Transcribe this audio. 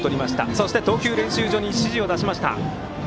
そして、投球練習場に指示を出しました。